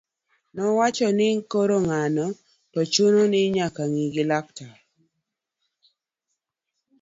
nowacho ni koro ng'ano to chuno ni ong'i gi laktar